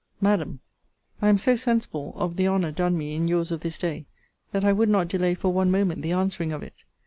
MADAM, I am so sensible of the honour done me in your's of this day, that I would not delay for one moment the answering of it.